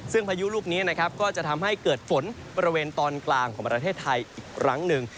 ซึ่งพายุลูกนี้นะครับก็จะทำให้เกิดฝนบริเวณตอนกลางของประเทศไทยอีกครั้งหนึ่ง